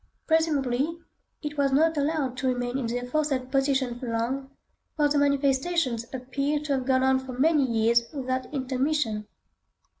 Presumably, it was not allowed to remain in the aforesaid position long, for the manifestations appear to have gone on for many years without intermission.